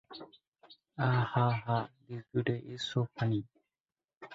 One round hit a mine inside, and the machine-gun temporarily fell silent.